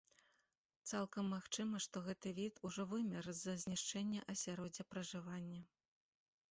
Цалкам магчыма, што гэты від ужо вымер з-за знішчэння асяроддзя пражывання.